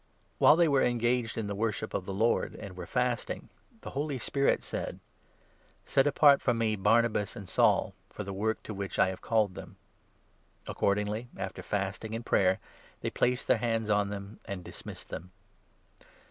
While 238 THE ACTS, 13. they were engaged in the worship of the Lord and were fasting, the Holy Spirit said : "Set apart for me Barnabas and Saul, for the work to which I have called them." Accordingly, after fasting and prayer, they placed their hands 3 on them and dismissed them.